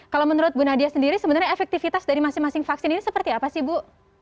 kalau menurut bu nadia sendiri sebenarnya efektivitas dari masing masing vaksin ini seperti apa sih bu